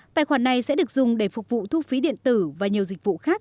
tài khoản này sẽ được dùng để phục vụ thu phí điện thoại